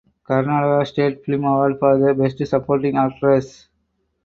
Karnataka State Film Award for Best Supporting Actress